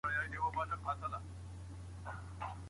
دوستي د زده کوونکو ترمنځ همکاري زیاتوي.